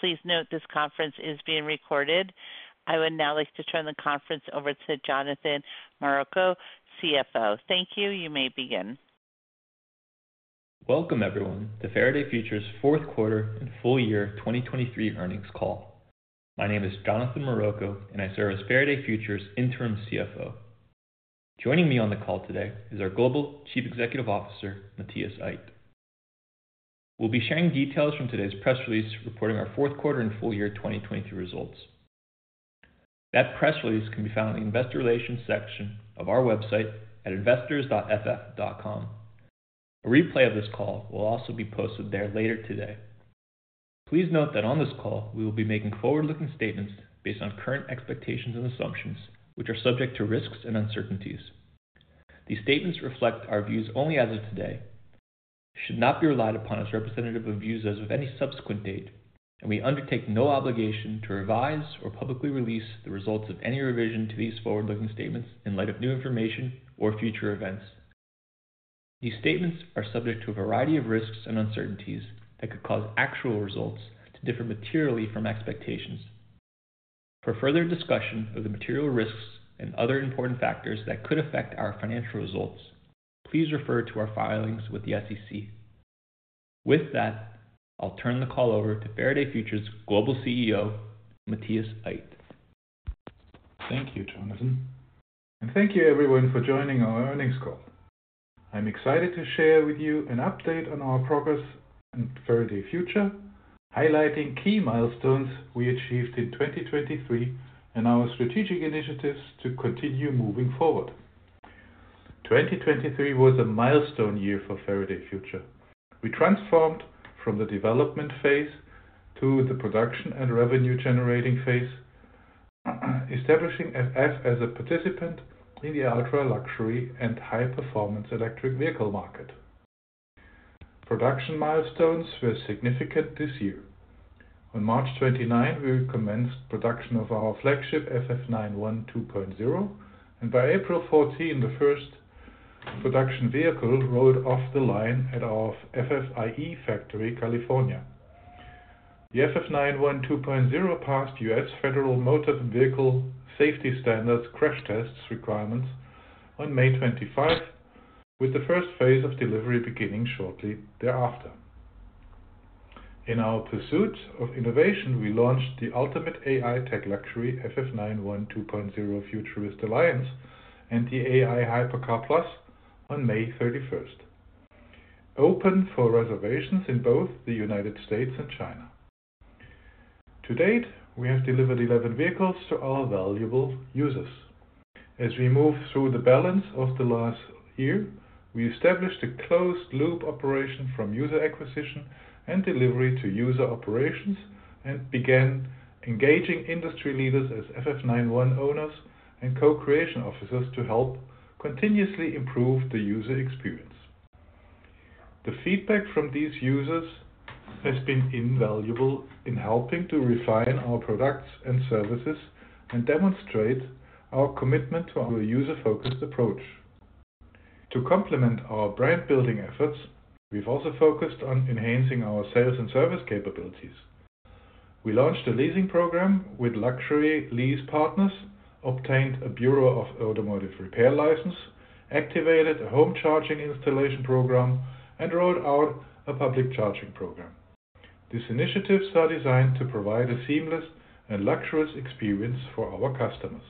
Please note this conference is being recorded. I would now like to turn the conference over to Jonathan Maroko, CFO. Thank you, you may begin. Welcome everyone to Faraday Future's fourth quarter and full year 2023 earnings call. My name is Jonathan Maroko, and I serve as Faraday Future's interim CFO. Joining me on the call today is our Global Chief Executive Officer, Matthias Aydt. We'll be sharing details from today's press release reporting our fourth quarter and full year 2023 results. That press release can be found in the Investor Relations section of our website at investors.ff.com. A replay of this call will also be posted there later today. Please note that on this call we will be making forward-looking statements based on current expectations and assumptions, which are subject to risks and uncertainties. These statements reflect our views only as of today, should not be relied upon as representative of views as of any subsequent date, and we undertake no obligation to revise or publicly release the results of any revision to these forward-looking statements in light of new information or future events. These statements are subject to a variety of risks and uncertainties that could cause actual results to differ materially from expectations. For further discussion of the material risks and other important factors that could affect our financial results, please refer to our filings with the SEC. With that, I'll turn the call over to Faraday Future's Global CEO, Matthias Aydt. Thank you, Jonathan. Thank you everyone for joining our earnings call. I'm excited to share with you an update on our progress in Faraday Future, highlighting key milestones we achieved in 2023 and our strategic initiatives to continue moving forward. 2023 was a milestone year for Faraday Future. We transformed from the development phase to the production and revenue-generating phase, establishing us as a participant in the ultra-luxury and high-performance electric vehicle market. Production milestones were significant this year. On March 29, we commenced production of our flagship FF 91 2.0, and by April 14, the first production vehicle rolled off the line at our FF ieFactory in California. The FF 91 2.0 passed U.S. Federal Motor Vehicle Safety Standards crash tests requirements on May 25, with the first phase of delivery beginning shortly thereafter. In our pursuit of innovation, we launched the Ultimate AI TechLuxury FF 91 2.0 Futurist Alliance and the aiHypercar+ on May 31st, open for reservations in both the United States and China. To date, we have delivered 11 vehicles to all valuable users. As we move through the balance of the last year, we established a closed-loop operation from user acquisition and delivery to user operations and began engaging industry leaders as FF 91 owners and Co-Creation Officers to help continuously improve the user experience. The feedback from these users has been invaluable in helping to refine our products and services and demonstrate our commitment to a user-focused approach. To complement our brand-building efforts, we've also focused on enhancing our sales and service capabilities. We launched a leasing program with luxury lease partners, obtained a Bureau of Automotive Repair license, activated a home charging installation program, and rolled out a public charging program. These initiatives are designed to provide a seamless and luxurious experience for our customers.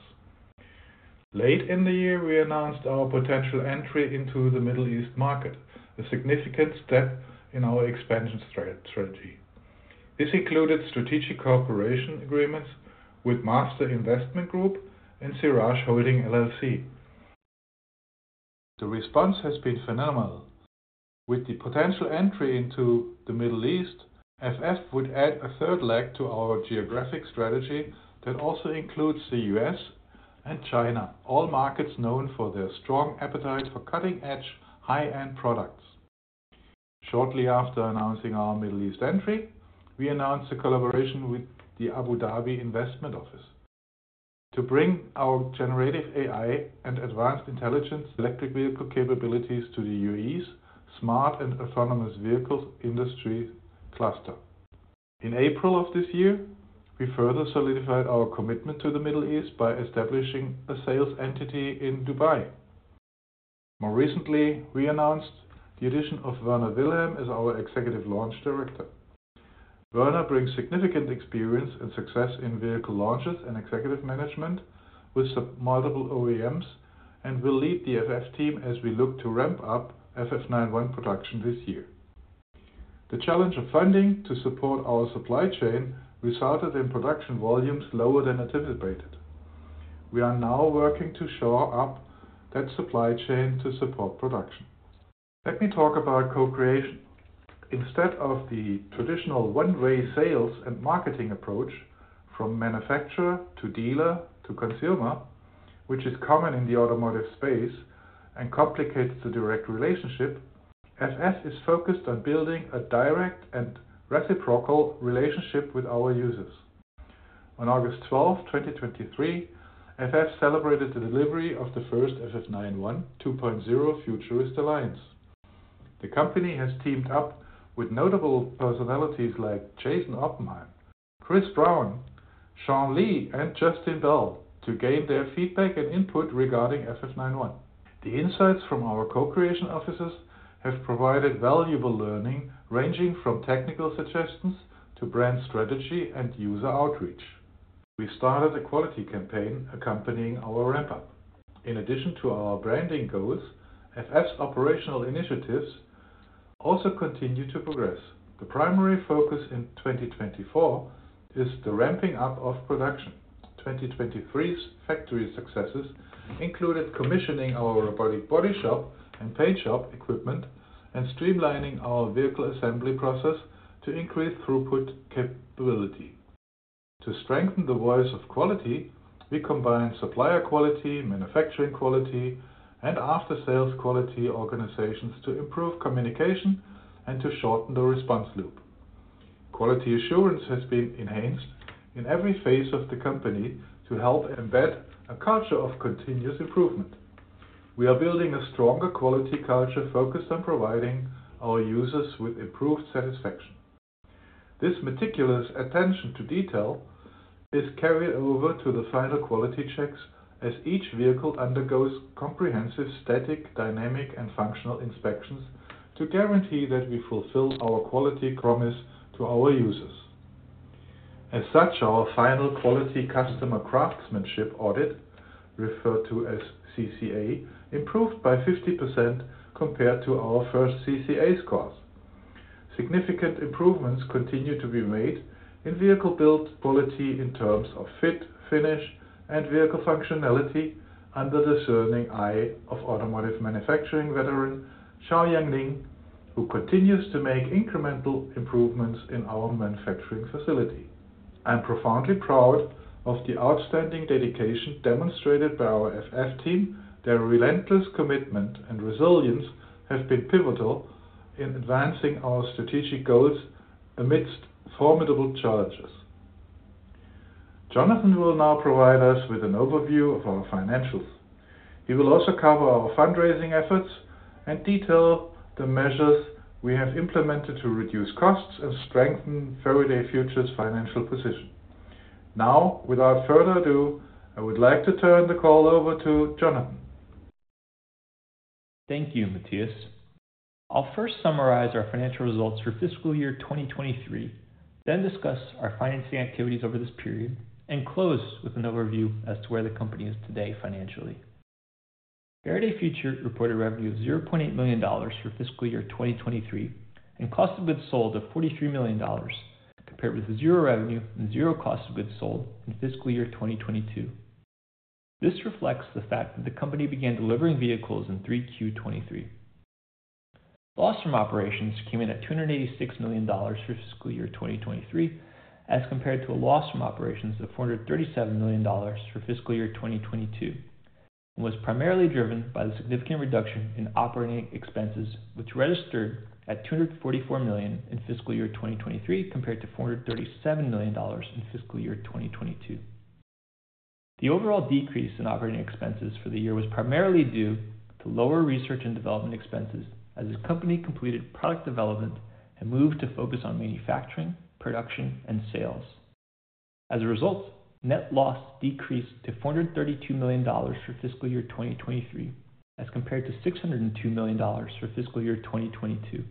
Late in the year, we announced our potential entry into the Middle East market, a significant step in our expansion strategy. This included strategic cooperation agreements with Master Investment Group and Siraj Holding LLC. The response has been phenomenal. With the potential entry into the Middle East, FF would add a third leg to our geographic strategy that also includes the U.S. and China, all markets known for their strong appetite for cutting-edge, high-end products. Shortly after announcing our Middle East entry, we announced a collaboration with the Abu Dhabi Investment Office to bring our generative AI and advanced intelligence electric vehicle capabilities to the U.A.E.'s Smart and Autonomous Vehicles Industry cluster. In April of this year, we further solidified our commitment to the Middle East by establishing a sales entity in Dubai. More recently, we announced the addition of Werner Wilhelm as our Executive Launch Director. Werner brings significant experience and success in vehicle launches and executive management with multiple OEMs and will lead the FF team as we look to ramp up FF 91 production this year. The challenge of funding to support our supply chain resulted in production volumes lower than anticipated. We are now working to shore up that supply chain to support production. Let me talk about Co-Creation. Instead of the traditional one-way sales and marketing approach from manufacturer to dealer to consumer, which is common in the automotive space and complicates the direct relationship, FF is focused on building a direct and reciprocal relationship with our users. On August 12, 2023, FF celebrated the delivery of the first FF 91 2.0 Futurist Alliance. The company has teamed up with notable personalities like Jason Oppenheim, Chris Brown, Sean Lee, and Justin Bell to gain their feedback and input regarding FF 91. The insights from our Co-Creation Officers have provided valuable learning ranging from technical suggestions to brand strategy and user outreach. We started a quality campaign accompanying our wrap-up. In addition to our branding goals, FF's operational initiatives also continue to progress. The primary focus in 2024 is the ramping up of production. 2023's factory successes included commissioning our robotic body shop and paint shop equipment and streamlining our vehicle assembly process to increase throughput capability. To strengthen the voice of quality, we combined supplier quality, manufacturing quality, and after-sales quality organizations to improve communication and to shorten the response loop. Quality assurance has been enhanced in every phase of the company to help embed a culture of continuous improvement. We are building a stronger quality culture focused on providing our users with improved satisfaction. This meticulous attention to detail is carried over to the final quality checks as each vehicle undergoes comprehensive static, dynamic, and functional inspections to guarantee that we fulfill our quality promise to our users. As such, our final quality Customer Craftsmanship Audit, referred to as CCA, improved by 50% compared to our first CCA scores. Significant improvements continue to be made in vehicle build quality in terms of fit, finish, and vehicle functionality under the discerning eye of automotive manufacturing veteran Xiaoyang Ling, who continues to make incremental improvements in our manufacturing facility. I am profoundly proud of the outstanding dedication demonstrated by our FF team. Their relentless commitment and resilience have been pivotal in advancing our strategic goals amidst formidable challenges. Jonathan will now provide us with an overview of our financials. He will also cover our fundraising efforts and detail the measures we have implemented to reduce costs and strengthen Faraday Future's financial position. Now, without further ado, I would like to turn the call over to Jonathan. Thank you, Matthias. I'll first summarize our financial results for fiscal year 2023, then discuss our financing activities over this period, and close with an overview as to where the company is today financially. Faraday Future reported revenue of $0.8 million for fiscal year 2023 and cost of goods sold of $43 million compared with zero revenue and zero cost of goods sold in fiscal year 2022. This reflects the fact that the company began delivering vehicles in 3Q23. Loss from operations came in at $286 million for fiscal year 2023 as compared to a loss from operations of $437 million for fiscal year 2022, and was primarily driven by the significant reduction in operating expenses, which registered at $244 million in fiscal year 2023 compared to $437 million in fiscal year 2022. The overall decrease in operating expenses for the year was primarily due to lower research and development expenses as the company completed product development and moved to focus on manufacturing, production, and sales. As a result, net loss decreased to $432 million for fiscal year 2023 as compared to $602 million for fiscal year 2022.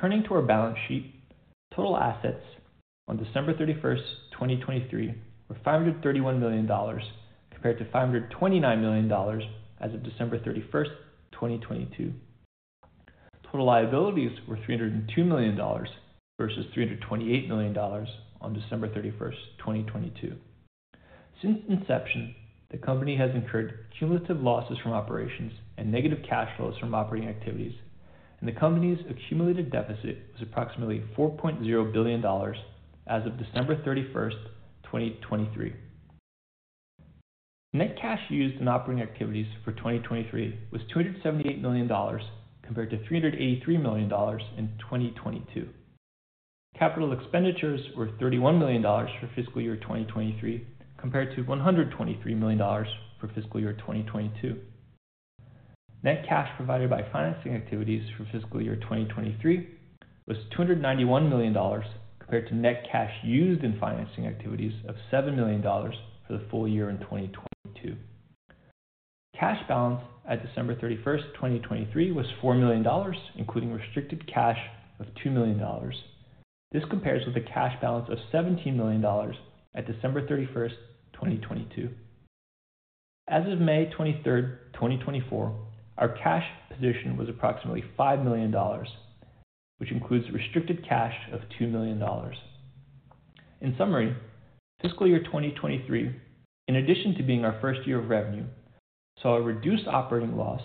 Turning to our balance sheet, total assets on December 31, 2023, were $531 million compared to $529 million as of December 31st, 2022. Total liabilities were $302 million versus $328 million on December 31st, 2022. Since inception, the company has incurred cumulative losses from operations and negative cash flows from operating activities, and the company's accumulated deficit was approximately $4.0 billion as of December 31st, 2023. Net cash used in operating activities for 2023 was $278 million compared to $383 million in 2022. Capital expenditures were $31 million for fiscal year 2023 compared to $123 million for fiscal year 2022. Net cash provided by financing activities for fiscal year 2023 was $291 million compared to net cash used in financing activities of $7 million for the full year in 2022. Cash balance at December 31st, 2023, was $4 million, including restricted cash of $2 million. This compares with a cash balance of $17 million at December 31st, 2022. As of May 23rd, 2024, our cash position was approximately $5 million, which includes restricted cash of $2 million. In summary, fiscal year 2023, in addition to being our first year of revenue, saw a reduced operating loss,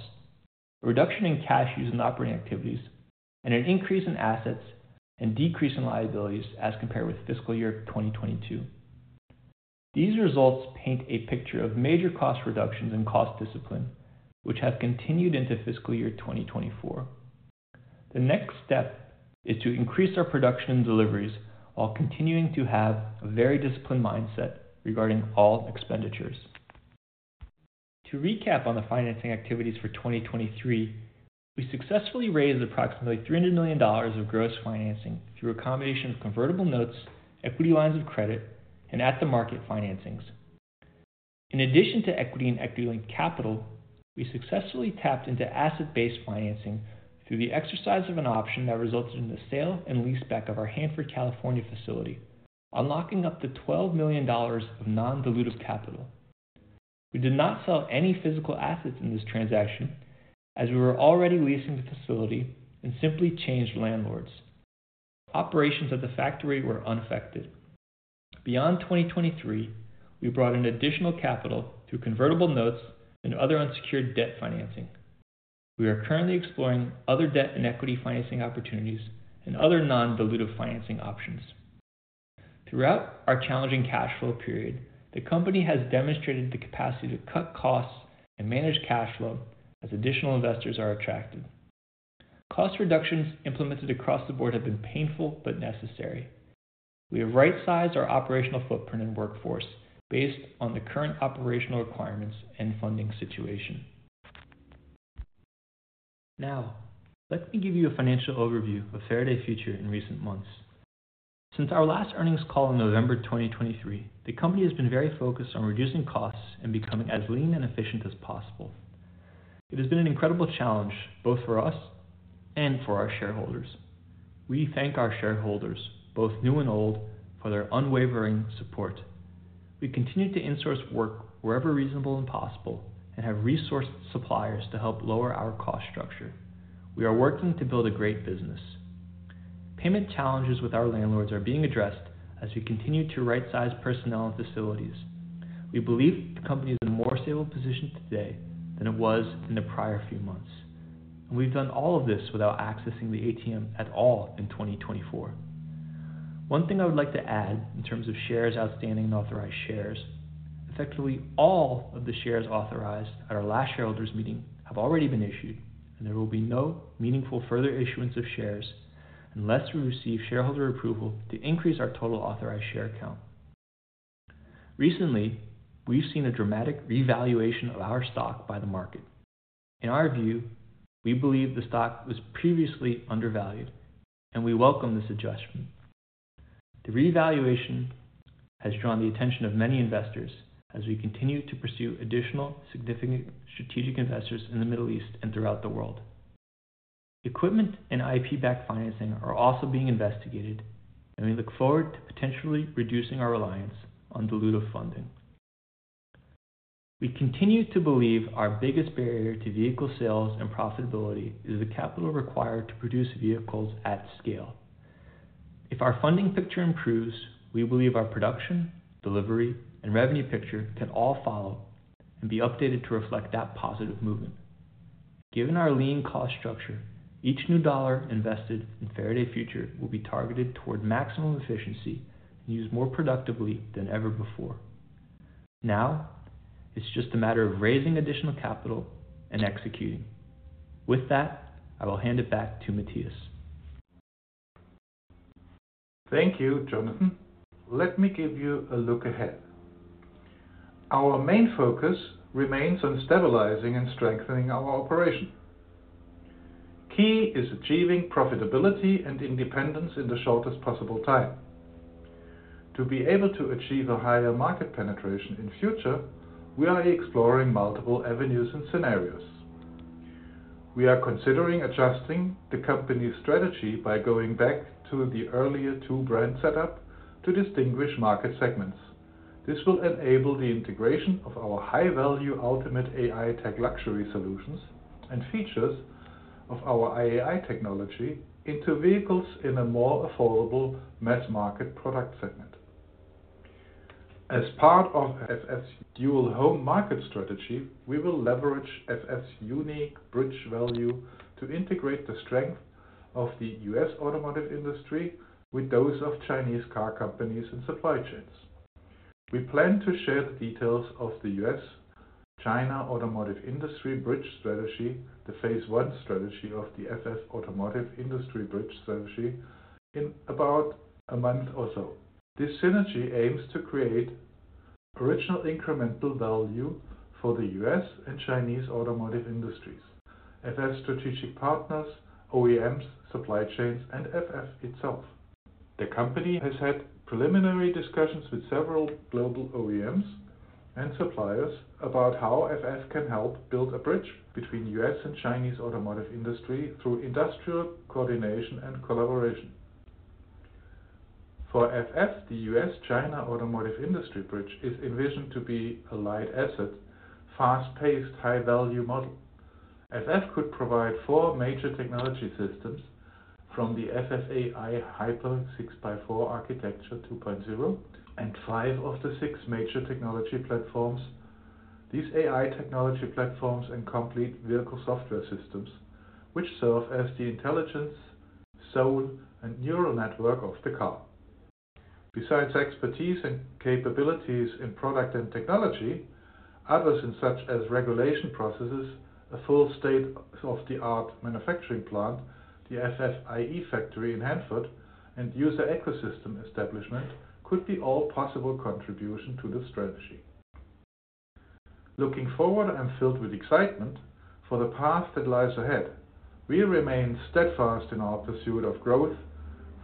a reduction in cash used in operating activities, and an increase in assets and decrease in liabilities as compared with fiscal year 2022. These results paint a picture of major cost reductions and cost discipline, which have continued into fiscal year 2024. The next step is to increase our production and deliveries while continuing to have a very disciplined mindset regarding all expenditures. To recap on the financing activities for 2023, we successfully raised approximately $300 million of gross financing through a combination of convertible notes, equity lines of credit, and at-the-market financings. In addition to equity and equity-linked capital, we successfully tapped into asset-based financing through the exercise of an option that resulted in the sale and leaseback of our Hanford, California facility, unlocking up to $12 million of non-dilutive capital. We did not sell any physical assets in this transaction as we were already leasing the facility and simply changed landlords. Operations at the factory were unaffected. Beyond 2023, we brought in additional capital through convertible notes and other unsecured debt financing. We are currently exploring other debt and equity financing opportunities and other non-dilutive financing options. Throughout our challenging cash flow period, the company has demonstrated the capacity to cut costs and manage cash flow as additional investors are attracted. Cost reductions implemented across the board have been painful but necessary. We have right-sized our operational footprint and workforce based on the current operational requirements and funding situation. Now, let me give you a financial overview of Faraday Future in recent months. Since our last earnings call in November 2023, the company has been very focused on reducing costs and becoming as lean and efficient as possible. It has been an incredible challenge both for us and for our shareholders. We thank our shareholders, both new and old, for their unwavering support. We continue to insource work wherever reasonable and possible and have resourced suppliers to help lower our cost structure. We are working to build a great business. Payment challenges with our landlords are being addressed as we continue to right-size personnel and facilities. We believe the company is in a more stable position today than it was in the prior few months, and we've done all of this without accessing the ATM at all in 2024. One thing I would like to add in terms of shares outstanding and authorized shares: effectively, all of the shares authorized at our last shareholders' meeting have already been issued, and there will be no meaningful further issuance of shares unless we receive shareholder approval to increase our total authorized share count. Recently, we've seen a dramatic revaluation of our stock by the market. In our view, we believe the stock was previously undervalued, and we welcome this adjustment. The revaluation has drawn the attention of many investors as we continue to pursue additional significant strategic investors in the Middle East and throughout the world. Equipment and IP-backed financing are also being investigated, and we look forward to potentially reducing our reliance on dilutive funding. We continue to believe our biggest barrier to vehicle sales and profitability is the capital required to produce vehicles at scale. If our funding picture improves, we believe our production, delivery, and revenue picture can all follow and be updated to reflect that positive movement. Given our lean cost structure, each new dollar invested in Faraday Future will be targeted toward maximum efficiency and used more productively than ever before. Now, it's just a matter of raising additional capital and executing. With that, I will hand it back to Matthias. Thank you, Jonathan. Let me give you a look ahead. Our main focus remains on stabilizing and strengthening our operation. Key is achieving profitability and independence in the shortest possible time. To be able to achieve a higher market penetration in future, we are exploring multiple avenues and scenarios. We are considering adjusting the company's strategy by going back to the earlier two-brand setup to distinguish market segments. This will enable the integration of our high-value Ultimate AI TechLuxury solutions and features of our IAI technology into vehicles in a more affordable mass-market product segment. As part of FF's dual-home market strategy, we will leverage FF's unique bridge value to integrate the strength of the U.S. automotive industry with those of Chinese car companies and supply chains. We plan to share the details of the U.S.-China Automotive Industry Bridge Strategy, the phase 1 strategy of the FF Automotive Industry Bridge Strategy, in about a month or so. This synergy aims to create original incremental value for the U.S. and Chinese automotive industries: FF's strategic partners, OEMs, supply chains, and FF itself. The company has had preliminary discussions with several global OEMs and suppliers about how FF can help build a bridge between the U.S. and Chinese automotive industry through industrial coordination and collaboration. For FF, the U.S.-China Automotive Industry Bridge is envisioned to be a light-asset, fast-paced, high-value model. FF could provide four major technology systems, from the FF aiHyper 6x4 Architecture 2.0 and five of the six major technology platforms. These AI technology platforms encompass vehicle software systems, which serve as the intelligence, soul, and neural network of the car. Besides expertise and capabilities in product and technology, others such as regulation processes, a full state-of-the-art manufacturing plant, the FF ieFactory in Hanford, and user ecosystem establishment could be all possible contributions to the strategy. Looking forward, I'm filled with excitement for the path that lies ahead. We remain steadfast in our pursuit of growth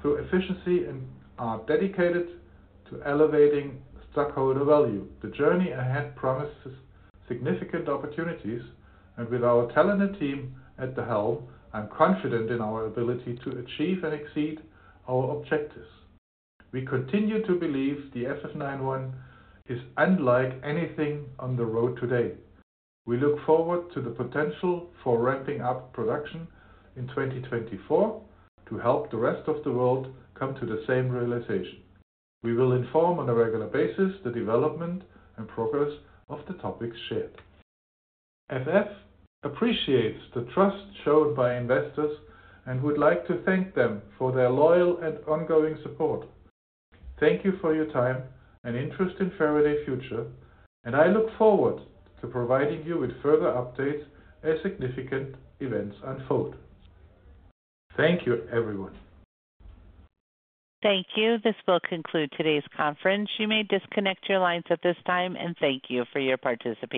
through efficiency and are dedicated to elevating stockholder value. The journey ahead promises significant opportunities, and with our talented team at the helm, I'm confident in our ability to achieve and exceed our objectives. We continue to believe the FF 91 is unlike anything on the road today. We look forward to the potential for ramping up production in 2024 to help the rest of the world come to the same realization. We will inform on a regular basis the development and progress of the topics shared. FF appreciates the trust shown by investors and would like to thank them for their loyal and ongoing support. Thank you for your time and interest in Faraday Future, and I look forward to providing you with further updates as significant events unfold. Thank you, everyone. Thank you. This will conclude today's conference. You may disconnect your lines at this time, and thank you for your participation.